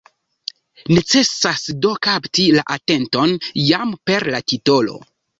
Necesas do kapti la atenton, jam per la titolo.